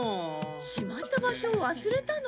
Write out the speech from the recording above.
しまった場所を忘れたの？